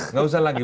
nggak usah lagi